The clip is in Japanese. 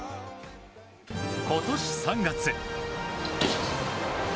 今年３月。